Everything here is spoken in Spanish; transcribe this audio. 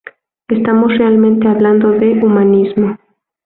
Estamos realmente hablando de humanismo.